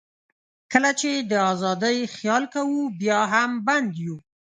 کله چې د آزادۍ خیال کوو، بیا هم بند یو.